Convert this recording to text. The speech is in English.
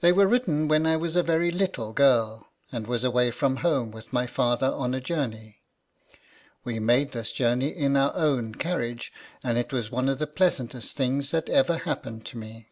They were written when I was a very little girl, and was away from home with my father on a journey. We made this journey in our own carriage, and it was one of the pleasantest things that ever happened to me.